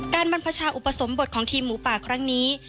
บรรพชาอุปสมบทของทีมหมูป่าครั้งนี้